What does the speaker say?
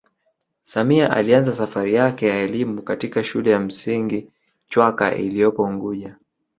Samia alianza safari yake ya elimu katika shule ya msingi chwaka iloyopo unguja